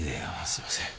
すいません。